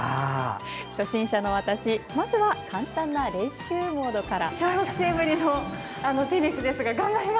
初心者の私まずは簡単な練習モードから。